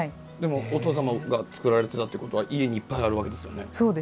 お父様が作られてたということは家にいっぱいあるわけですよね。